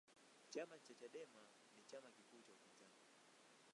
chama cha chadema ni chama kikuu cha upinzani